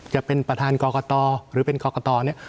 จะเป็นประธานกรกตหรือเป็นกรกตเนี่ย